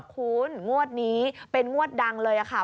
คุณงวดนี้เป็นงวดดังเลยค่ะ